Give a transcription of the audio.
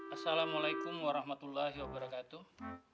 assalamu'alaikum warahmatullahi wabarakatuh